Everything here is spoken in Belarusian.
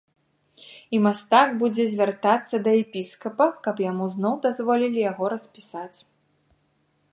І мастак будзе звяртацца да епіскапа, каб яму зноў дазволілі яго распісаць.